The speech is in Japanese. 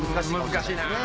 難しいなぁ。